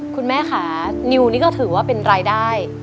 คุณแม่ค่ะนิวนี่ก็ถือว่าเป็นรายได้